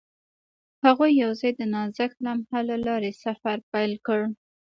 هغوی یوځای د نازک لمحه له لارې سفر پیل کړ.